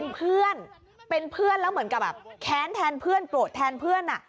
เป็นเพื่อนแล้วเหมือนแบบแค้นแทนเพื่อนโปรดแทนเพื่อน